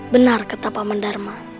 benar kata pak mandharma